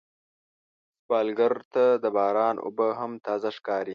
سوالګر ته د باران اوبه هم تازه ښکاري